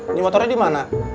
ini motornya dimana